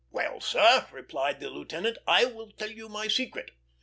"Well, sir," replied the lieutenant, "I will tell you my secret.